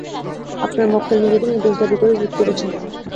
আমার মক্কেল নিজেকে নির্দোষ দাবি করে রিট করেছেন।